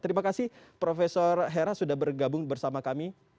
terima kasih prof hera sudah bergabung bersama kami